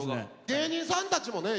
芸人さんたちもね